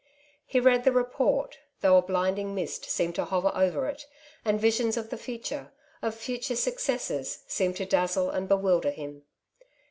He read the report, though a blinding mist seemed to hover over it, and visions of the future, of future successes, seemed to dazzle and bewilder him.